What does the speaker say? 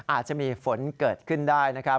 อาจจะมีฝนเกิดขึ้นได้นะครับ